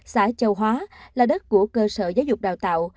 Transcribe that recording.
xã châu hóa là đất của cơ sở giáo dục đào tạo